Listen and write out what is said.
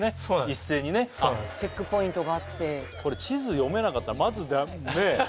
一斉にねチェックポイントがあってこれ地図読めなかったらまずねえ？